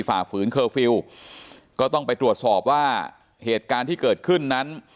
ฝ่าฝืนเคอร์ฟิลล์ก็ต้องไปตรวจสอบว่าเหตุการณ์ที่เกิดขึ้นนั้น